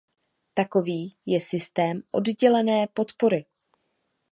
Takový je systém oddělené podpory.